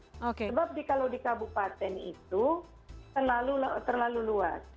sebab kalau di kabupaten itu terlalu luas